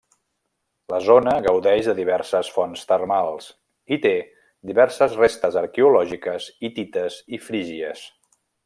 La zona gaudeix de diverses fonts termals, i té diverses restes arqueològiques hitites i frígies.